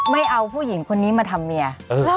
ไม่เอาผู้หญิงคนนี้มาทำเมีย